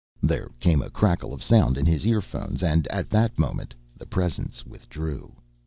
There came a crackle of sound in his earphones and at that moment the Presence withdrew.